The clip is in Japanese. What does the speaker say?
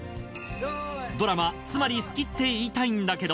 ドラマ『つまり好きって言いたいんだけど、』。